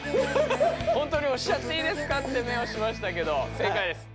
ほんとにおしちゃっていいですかって目をしましたけど正解です。